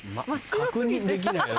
確認できないよ